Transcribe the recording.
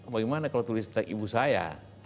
bagaimana kalau tulis tentang ibu saya